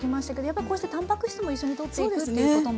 やっぱりこうしてたんぱく質も一緒にとっていくっていうことも。